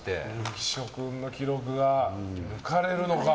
浮所君の記録が抜かれるのか。